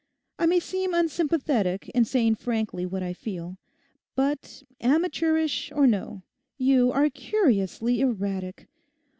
I may seem unsympathetic in saying frankly what I feel. But amateurish or no, you are curiously erratic.